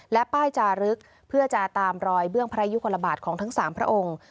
และป้ายจารึกเพื่อจะตามรอยเบื้องพระยุคลบาทของทั้ง๓พระองค์